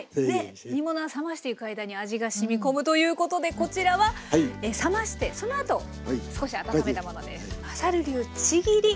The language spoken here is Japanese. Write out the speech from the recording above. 煮物は冷ましていく間に味がしみ込むということでこちらは冷ましてそのあと少し温めたものです。